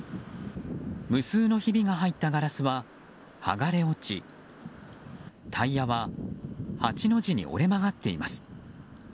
無数のひびが入ったガラスは剥がれ落ちタイヤは八の字に折れ曲がっています。